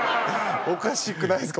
おかしくないですか？